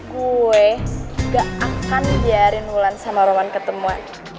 gue gak akan biarin wulan sama roman ketemuan